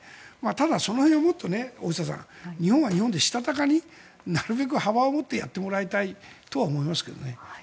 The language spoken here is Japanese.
ただその辺もっと日本は日本でしたたかになるべく幅を持ってやってもらいたいとは思いますよね。